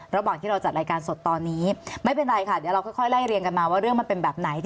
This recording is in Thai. ระหว่างที่เราจัดรายการสดตอนนี้ไม่เป็นไรค่ะเดี๋ยวเราค่อยไล่เรียงกันมาว่าเรื่องมันเป็นแบบไหน